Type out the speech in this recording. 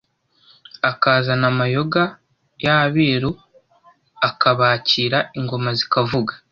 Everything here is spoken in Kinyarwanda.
akazana amayoga y’abiru akabakira ingoma zikavuga